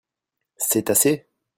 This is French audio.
C'est assez ?